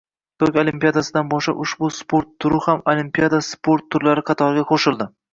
Tokio olimpiadasidan boshlab ushbu sport turi ham olimpiada sport turlari qatoriga qoʻshildi.